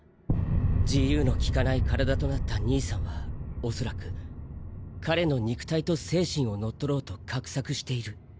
自由の利かない体となった兄さんは恐らく彼の肉体と精神を乗っとろうと画策している。